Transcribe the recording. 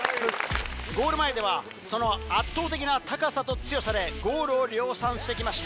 ゴール前ではその圧倒的な高さと強さでゴールを量産してきました。